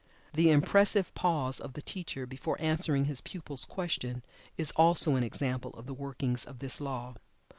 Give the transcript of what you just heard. The impressive pause of the teacher, before answering his pupil's question, is also an example of the workings of this law.